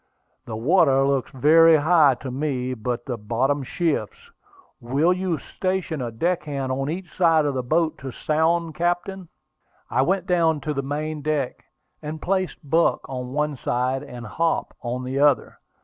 "The water looks very high to me, but the bottom shifts. Will you station a deck hand on each side of the boat to sound, captain?" I went down to the main deck, and placed Buck on one side, and Hop on the other.